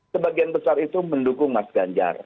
sebagian besar itu mendukung mas ganjar